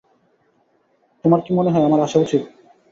তোমার কি মনে হয় আমার আসা উচিত?